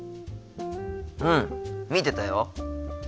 うん見てたよ。